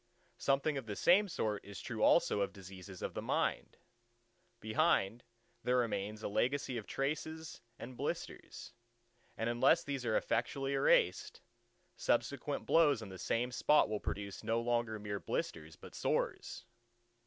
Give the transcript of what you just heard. Something of the same sort is true also of diseases of the mind. Behind, there remains a legacy of traces and blisters: and unless these are effectually erased, subsequent blows on the same spot will produce no longer mere blisters, but sores.